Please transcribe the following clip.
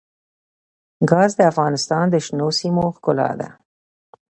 ګاز د افغانستان د شنو سیمو ښکلا ده.